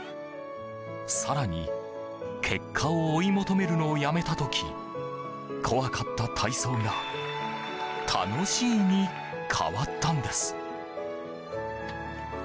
更に結果を追い求めるのをやめた時怖かった体操が楽しいに変わったんです。